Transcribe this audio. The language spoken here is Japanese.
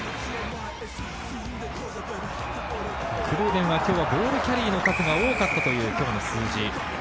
クルーデンは今日はボールキャリーの数が多かったという今日の数字。